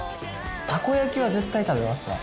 たこ焼きは絶対食べますね。